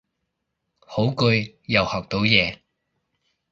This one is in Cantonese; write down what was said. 好句，又學到嘢